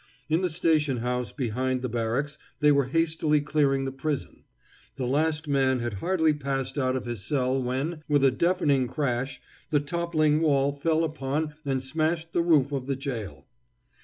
In the station house behind the barracks they were hastily clearing the prison. The last man had hardly passed out of his cell when, with a deafening crash, the toppling wall fell upon and smashed the roof of the jail.